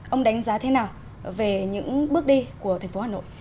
ông đánh giá thế nào về những bước đi của thành phố hà nội